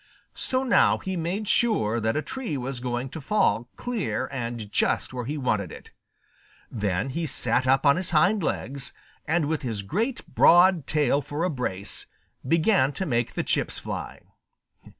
So now he made sure that a tree was going to fall clear and just where he wanted it. Then he sat up on his hind legs, and with his great broad tail for a brace, began to make the chips fly.